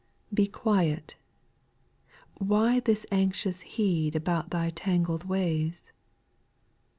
2. Be quiet, why this anxious heed About thy tangled ways